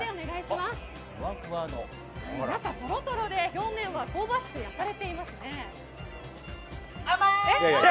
中はトロトロで表面は香ばしく焼かれていますね。